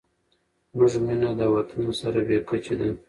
زموږ مینه د وطن سره بې کچې ده.